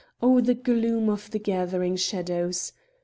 Oh, the gloom of the gathering shadows!